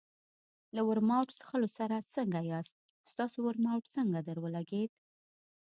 له ورماوټ څښلو سره څنګه یاست؟ ستاسو ورماوټ څنګه درولګېد؟